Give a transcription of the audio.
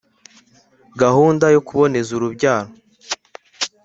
gahunda yo kuboneza urubyaro